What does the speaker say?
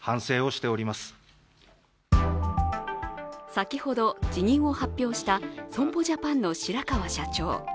先ほど、辞任を発表した損保ジャパンの白川社長。